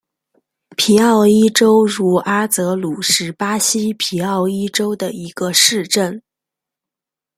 皮奥伊州茹阿泽鲁是巴西皮奥伊州的一个市镇。